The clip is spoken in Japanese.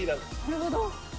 なるほど！